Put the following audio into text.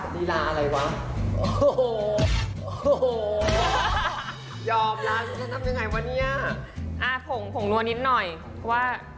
ดีลาอะไรวะ